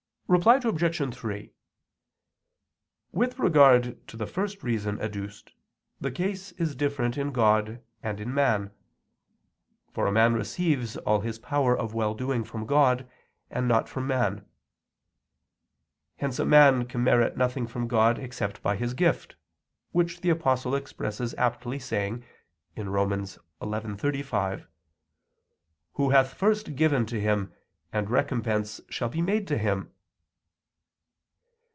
Reply Obj. 3: With regard to the first reason adduced, the case is different in God and in man. For a man receives all his power of well doing from God, and not from man. Hence a man can merit nothing from God except by His gift, which the Apostle expresses aptly saying (Rom. 11:35): "Who hath first given to Him, and recompense shall be made to him?"